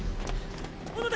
小野田！